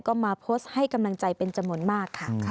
ก็มาโพสต์ให้กำลังใจเป็นจำนวนมากค่ะ